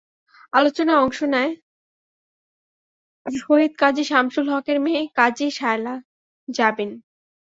আলোচনায় অংশ নেন শহীদ কাজী শামসুল হকের মেয়ে কাজী শায়লা জাবীন।